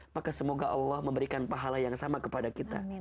maka semoga allah memberikan pahala yang sama kepada kita